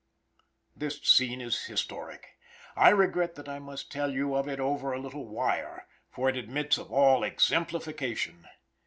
This scene is historic. I regret that I must tell you of it over a little wire, for it admits of all exemplification.